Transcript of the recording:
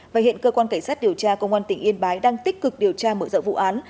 và hiện cơ quan cảnh sát điều tra công an tỉnh yên bái đang tích cực điều tra mở rộng vụ án